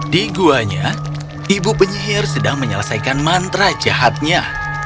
di guanya ibu penyihir sedang menyelesaikan mantra jahatnya